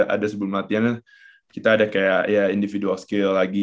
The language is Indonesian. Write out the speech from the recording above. ada sebelum latihan kita ada kayak individu skill lagi